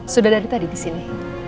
sudah dari tadi di sini